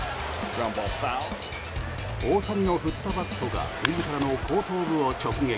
大谷の振ったバットが自らの後頭部を直撃。